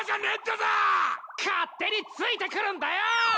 勝手についてくるんだよー！